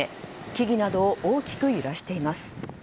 木々などを大きく揺らしています。